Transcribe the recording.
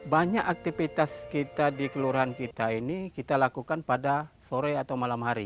banyak aktivitas kita di kelurahan kita ini kita lakukan pada sore atau malam hari